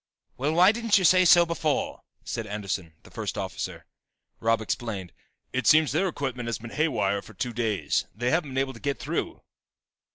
"Well, why didn't you say so before!" said Anderson, the first officer. Robb explained. "It seems their equipment has been haywire for two days, they haven't been able to get through."